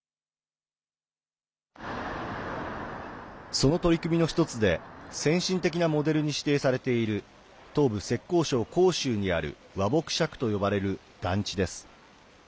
その取り組みの一つで先進的なモデルに指定されている東部、浙江省杭州にある和睦社区と呼ばれる団地です。